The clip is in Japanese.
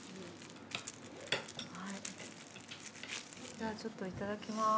じゃあちょっといただきます。